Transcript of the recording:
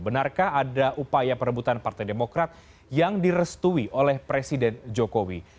benarkah ada upaya perebutan partai demokrat yang direstui oleh presiden jokowi